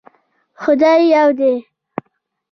خدای يو دی